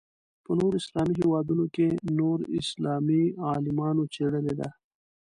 په نورو اسلامي هېوادونو کې نور اسلامي عالمانو څېړلې ده.